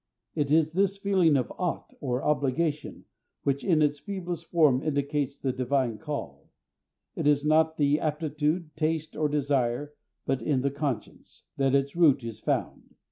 It is this feeling of ought, or obligation, which in its feeblest form indicates the Divine call. It is not in the aptitude, taste, or desire, but in the conscience, that its root is found.